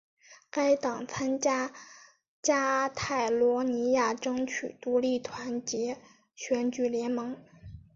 该党参加加泰罗尼亚争取独立团结选举联盟。